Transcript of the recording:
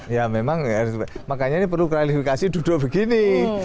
ya memang makanya ini perlu klarifikasi duduk begini